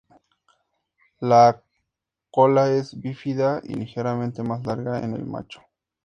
La cola es bífida y ligeramente más larga en el macho.